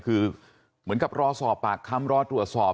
คือเหมือนกับรอสอบปากคำรอตรวจสอบ